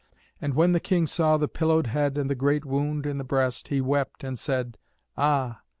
And when the king saw the pillowed head and the great wound in the breast he wept, and said, "Ah!